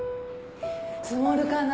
積もるかな。